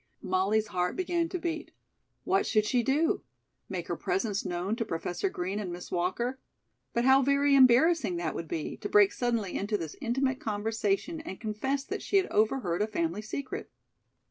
Molly's heart began to beat. What should she do? Make her presence known to Professor Green and Miss Walker? But how very embarrassing that would be, to break suddenly into this intimate conversation and confess that she had overheard a family secret.